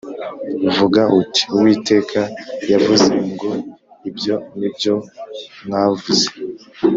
Vuga uti uwiteka yavuze ngo ibyo ni byo mwavuze